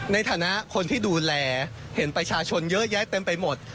ในฐานะคนที่ดูแลเห็นประชาชนเยอะแยะเต็มไปหมด